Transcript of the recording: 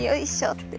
って。